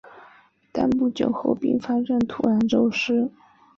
但不久后并发症突发骤逝。